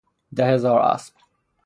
ده هزار اسب